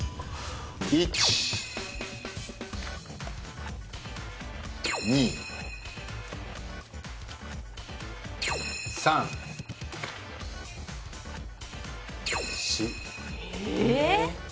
１２３４えっ